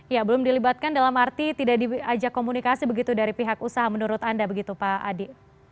ya belum dilibatkan dalam arti tidak diajak komunikasi begitu dari pihak usaha menurut anda begitu pak adi